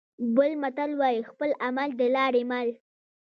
بل متل وايي: خپل عمل د لارې مل.